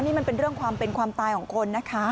นี่มันเป็นเรื่องความเป็นความตายของคนนะคะ